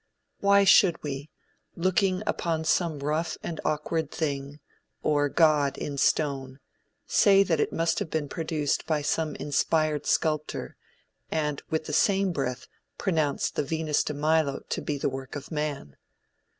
Why should we, looking upon some rough and awkward thing, or god in stone, say that it must have been produced by some inspired sculptor, and with the same breath pronounce the Venus de Milo to be the work of man?